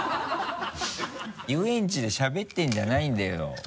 遊園地でしゃべってるんじゃないんだよ。